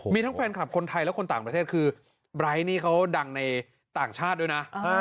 มีทั้งแฟนคลับคนไทยและคนต่างประเทศคือไบร์ทนี่เขาดังในต่างชาติด้วยนะ